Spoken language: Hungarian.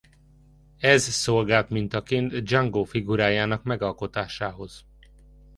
Ez szolgált mintaként Django figurájának megalkotásához.